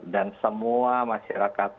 dan semua masyarakat